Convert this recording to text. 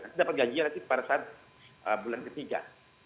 tidak dapat gaji nanti pada saat bulan ketiga